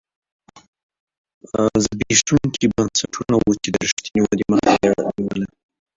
زبېښونکي بنسټونه وو چې د رښتینې ودې مخه یې نیوله.